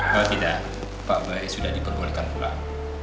kalau tidak pak bay sudah diperluankan pulang